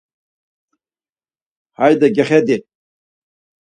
Hayde gexedi.